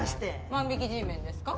万引きＧメンですか？